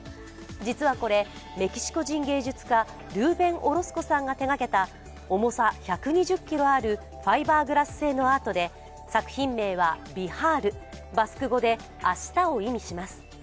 実はこれ、メキシコ人芸術家、ルーベン・オロスコさんが手がけた重さ１２０ｋｇある、ファイバーグラス製のアートで作品名は「ビハール」、バスク語で明日を意味します。